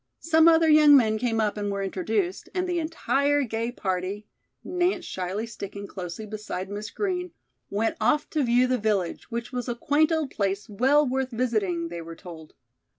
Some other young men came up and were introduced, and the entire gay party, Nance shyly sticking closely beside Miss Green, went off to view the village, which was a quaint old place well worth visiting, they were told.